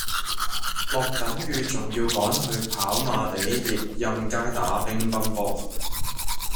落緊雨仲要趕住去跑馬地奕蔭街打乒乓波